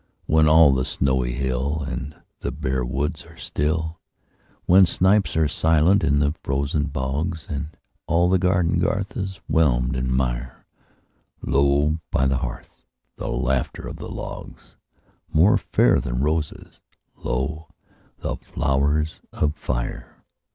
When all the snowy hill And the bare woods are still; When snipes are silent in the frozen bogs, And all the garden garth is whelmed in mire, Lo, by the hearth, the laughter of the logs— More fair than roses, lo, the flowers of fire!